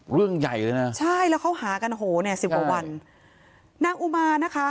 เรื่องใหญ่เลยนะใช่แล้วเขาหากันโหเนี่ยสิบกว่าวันนางอุมานะคะ